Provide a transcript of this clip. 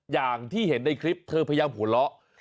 อย่างที่เห็นในคลิปเธอพยายามหัวเราะ